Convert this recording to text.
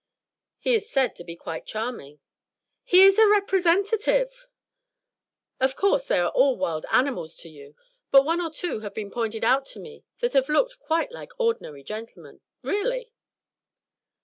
"He is said to be quite charming." "He is a Representative!" "Of course they are all wild animals to you, but one or two have been pointed out to me that looked quite like ordinary gentlemen really."